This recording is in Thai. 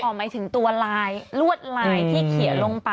หมายถึงตัวลายลวดลายที่เขียนลงไป